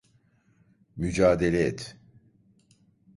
Mücadele et!